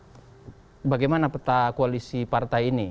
nah bagaimana peta koalisi partai ini